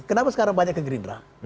kenapa sekarang banyak ke gerindra